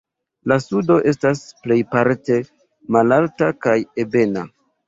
La sudo estas plejparte malalta kaj ebena.